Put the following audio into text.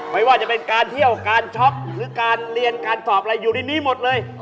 ไม่ว่าจะเป็นการเที่ยวการช็อกหรือการเรียนการสอบอะไรอยู่ในนี้หมดเลย